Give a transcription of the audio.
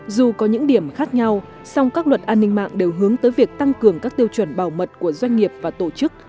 dù có những điểm khác nhau song các luật an ninh mạng đều hướng tới việc tăng cường các tiêu chuẩn bảo mật của doanh nghiệp và tổ chức